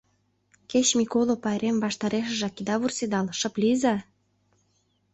Кеч Миколо пайрем ваштарешыжак ида вурседал, шып лийза!